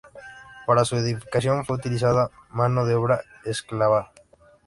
Para su edificación fue utilizada mano de obra esclava.